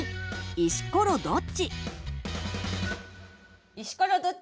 「石ころどっち？」